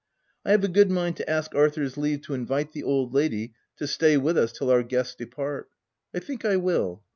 I have a good mind to ask Arthur's leave to invite the old lady to stay with us till our guests depart. I think I will.